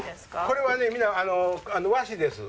これは皆和紙です。